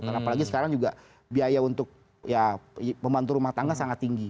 karena apalagi sekarang juga biaya untuk ya pembantu rumah tangga sangat tinggi